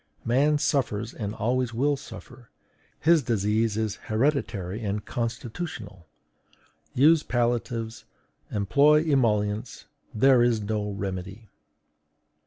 Man suffers and always will suffer; his disease is hereditary and constitutional. Use palliatives, employ emollients; there is no remedy."